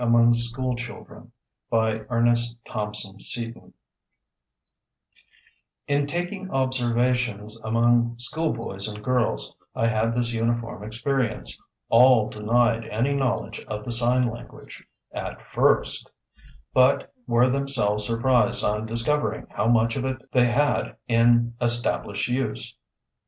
AMONG SCHOOL CHILDREN In taking observations among school boys and girls, I had this uniform experience: All denied any knowledge of the Sign Language, at first, but were themselves surprised on discovering how much of it they had in established use.